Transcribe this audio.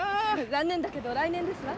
残念だけど来年ですわ。